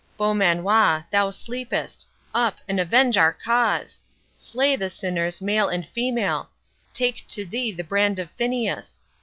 Beaumanoir, thou sleepest; up, and avenge our cause!—Slay the sinners, male and female!—Take to thee the brand of Phineas!